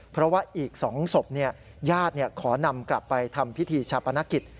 เพราะว่าอีก๒ศพญาติขอนำกลับไปทำพิธีชาปนกิจ